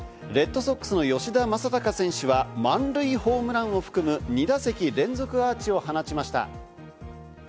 レッドソックスの吉田正尚選手は満塁ホームランを含む、２打席連続アーチを放ちました。